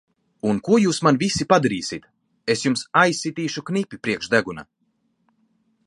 Un ko jūs man visi padarīsit! Es jums aizsitīšu knipi priekš deguna!